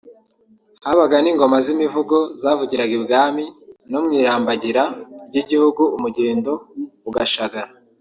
Habaga n’ingoma z’imivugo zavugiraga i Bwami no mu irambagira ry’igihugu Umugendo ugashagara